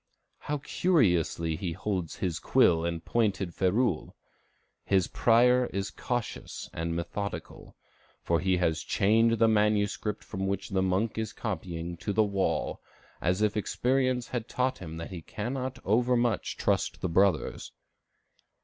How curiously he holds his quill and pointed ferule! His prior is cautious and methodical; for he has chained the manuscript from which the monk is copying to the wall, as if experience had taught him that he cannot overmuch trust the brothers.